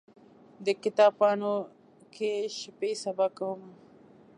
د کتاب پاڼو کې شپې سبا کومه